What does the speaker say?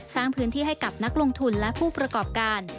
สร้างพื้นที่ให้กับนักลงทุนและผู้ประกอบการ